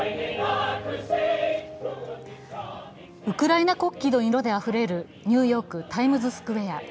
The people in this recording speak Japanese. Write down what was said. ウクライナ国旗の色であふれるニューヨーク・タイムズスクエア。